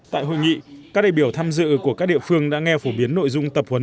tại hội nghị các đại biểu tham dự của các địa phương đã nghe phổ biến nội dung tập huấn